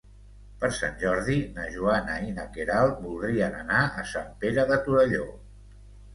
Per Sant Jordi na Joana i na Queralt voldrien anar a Sant Pere de Torelló.